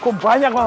kok banyak wak